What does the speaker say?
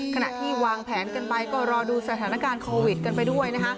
ขณะที่วางแผนกันไปก็รอดูสถานการณ์โควิดกันไปด้วยนะคะ